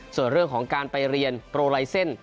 ส่วนเรื่องของการไปเรียนโปรไลเซ็นต์